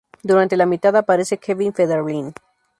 Durante la mitad aparece Kevin Federline.